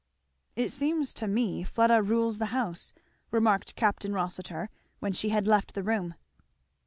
"It seems to me Fleda rules the house," remarked Capt. Rossitur when she had left the room.